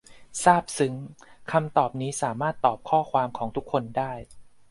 ซาบซึ้ง คำตอบนี้ สามารถตอบข้อความของทุกคนได้